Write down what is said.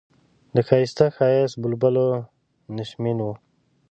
د ښایسته ښایسته بلبلو نشیمن و.